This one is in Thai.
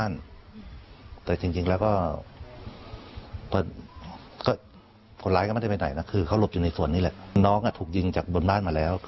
น้องถูกยิงจากบนบ้านมาแล้ว